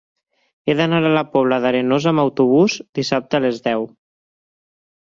He d'anar a la Pobla d'Arenós amb autobús dissabte a les deu.